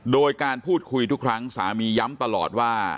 โดยการพูดคุยทุกครั้งสามีย้ำตลอดว่า